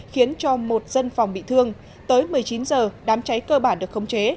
khiến cho một dân phòng bị thương tới một mươi chín h đám cháy cơ bản được khống chế